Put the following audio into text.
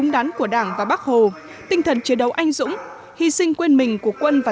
văn hóa và bác hồ tinh thần chiến đấu anh dũng hy sinh quên mình của quân và